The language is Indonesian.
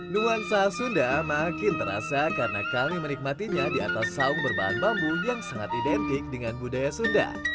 nuansa sunda makin terasa karena kami menikmatinya di atas saung berbahan bambu yang sangat identik dengan budaya sunda